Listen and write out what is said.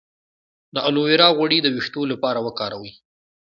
د الوویرا غوړي د ویښتو لپاره وکاروئ